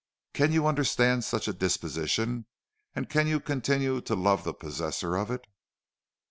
Can you understand such a disposition, and can you continue to love the possessor of it?